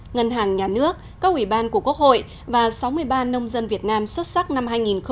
ngân hàng nhà nước các ủy ban của quốc hội và sáu mươi ba nông dân việt nam xuất sắc năm hai nghìn một mươi chín